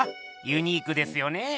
ユニークですよねぇ！